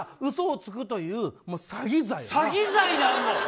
詐欺罪になるの。